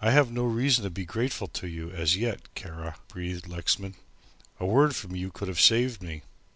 "I have no reason to be grateful to you, as yet, Kara," breathed Lexman. "A word from you could have saved me."